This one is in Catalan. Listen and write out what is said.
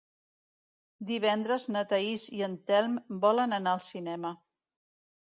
Divendres na Thaís i en Telm volen anar al cinema.